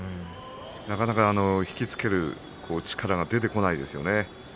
なかなか引き付ける力が出てこないですよね。